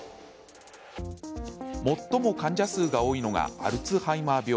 最も患者数が多いのがアルツハイマー病。